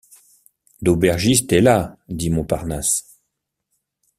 L’aubergiste est là, dit Montparnasse.